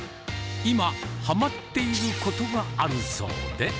今、はまっていることがあるそうで。